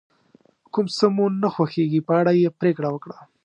کوم څه مو نه خوښیږي په اړه یې پرېکړه وکړه.